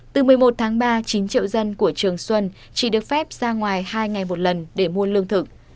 từ một mươi một tháng ba chín triệu dân của trường xuân chỉ được phép ra ngoài hai ngày một lần để mua lương thực